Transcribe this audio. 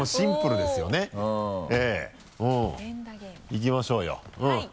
いきましょうようん。